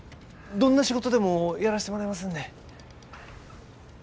どんな仕事でもやらしてもらいますんで。